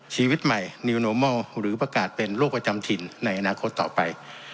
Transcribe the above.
ชีวิตใหม่นิวโนมัลหรือประกาศเป็นโรคประจำถิ่นในอนาคตต่อไป